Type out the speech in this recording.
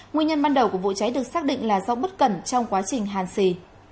nguyên nhân ban đầu của vụ cháy được xác định là do bất cẩn trong quá trình hàn xì